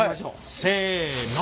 せの。